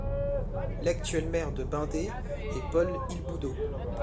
L'actuel maire de Bindé est Paul Ilboudo.